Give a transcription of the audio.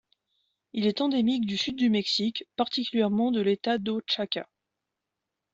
Il est endémique du sud du Mexique, particulièrement de l'État d'Oaxaca.